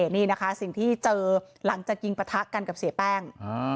นี่นะคะสิ่งที่เจอหลังจากยิงปะทะกันกับเสียแป้ง